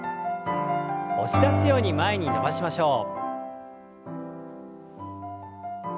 押し出すように前に伸ばしましょう。